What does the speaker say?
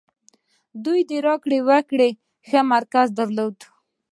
دوی د راکړې ورکړې ښه مرکز درلود.